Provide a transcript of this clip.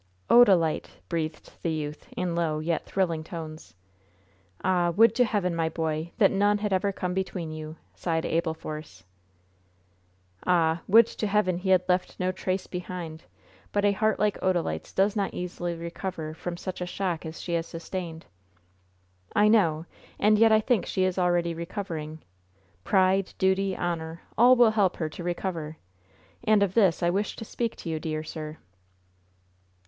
"Odalite!" breathed the youth, in low, yet thrilling, tones. "Ah, would to Heaven, my boy, that none had ever come between you!" sighed Abel Force. "But the intruder has gone now, and left no trace behind." "Ah, would to Heaven he had left no trace behind! But a heart like Odalite's does not easily recover from such a shock as she has sustained." "I know. And yet I think she is already recovering. Pride, duty, honor, all will help her to recover. And of this I wish to speak to you, dear sir."